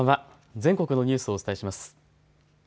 全国のニュースをお伝えします。